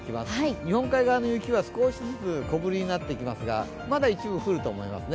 日本海側の行きが少しずつ小降りになってきますがまだ一部降ると思いますね。